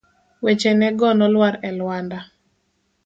Wechene go nolwar e lwanda.